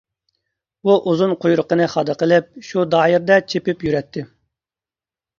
ئۇ ئۇزۇن قۇيرۇقىنى خادا قىلىپ شۇ دائىرىدە چېپىپ يۈرەتتى.